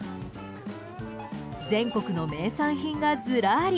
全国の名産品がずらり。